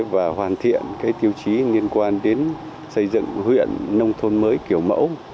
và hoàn thiện tiêu chí liên quan đến xây dựng huyện nông thôn mới kiểu mẫu